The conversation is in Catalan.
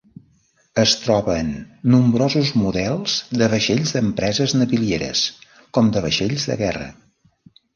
Es troben nombrosos models de vaixells d'empreses navilieres com de vaixells de guerra.